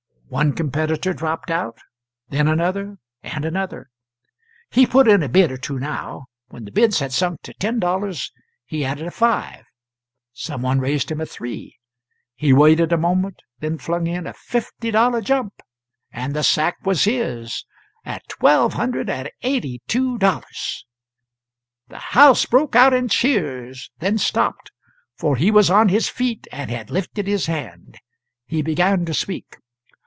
One competitor dropped out; then another, and another. He put in a bid or two now. When the bids had sunk to ten dollars, he added a five; some one raised him a three; he waited a moment, then flung in a fifty dollar jump, and the sack was his at $1,282. The house broke out in cheers then stopped; for he was on his feet, and had lifted his hand. He began to speak.